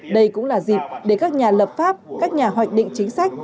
đây cũng là dịp để các nhà lập pháp các nhà hoạch định chính sách